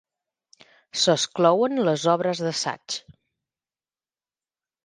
S'exclouen les obres d'assaig.